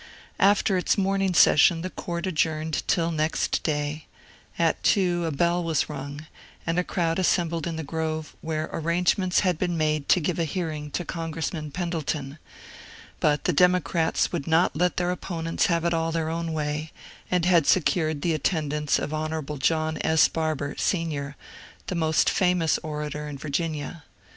After its morning session the court adjourned till next day ; at two a bell was rung, and a crowd assembled in the grove, where ar rangements had been made to give a hearing to Congressman Pendleton ; but the Democrats would not let their opponents have it all their own way, and had secured the attendance of Hon. John S. Barbour, Sr., the most famous orator in Vir ginia.